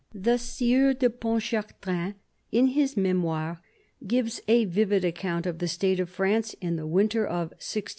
THE Sieur de Pontchartrain, in his Memoirs, gives a vivid account of the state of France in the winter of 1616 17.